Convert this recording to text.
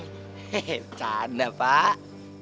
hehe bercanda pak